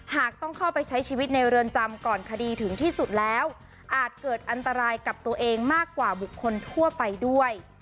หากต้องเข้าไปใช้ชีวิตในเรือนจำก่อนคดีถึงที่สุดแล้วอาจเกิดอันตรายกับตัวเองมากกว่าบุคคลทั่วไปด้วย